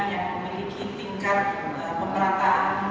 yang memiliki tingkat pemerataan